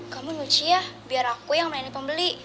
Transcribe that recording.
kamu nyuci ya biar aku yang melayani pembeli